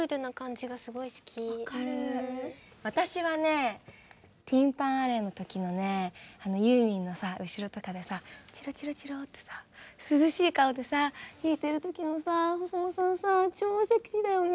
私はねティン・パン・アレーの時のねユーミンの後ろとかでさチロチロチロってさ涼しい顔で弾いてる時のさホソノさんさ超セクシーだよね。